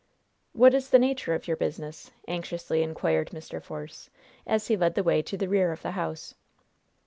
"What is the nature of your business?" anxiously inquired Mr. Force, as he led the way to the rear of the house.